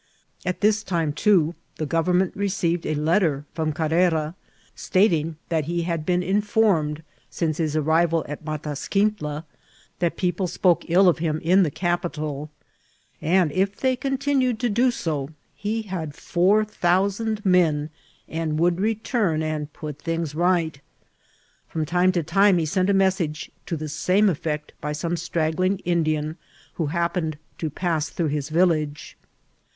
At this time, too, the government received a letter from Car rara, stating that he had been informed, since his ar rival at Matasquintla, that people spokTe iU of him in the capital, and if they continued to do so he had four thousand men, and would return and put things right. From time to time he sent a message to the same effect by some straggling Indian who happened to pass through his village.